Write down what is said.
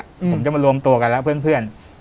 ผมจะมารวมตัวกันแล้วเพื่อน